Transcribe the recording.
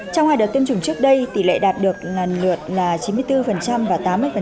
trong hai đợt tiêm chủng trước đây tỷ lệ đạt được lần lượt là chín mươi bốn và tám mươi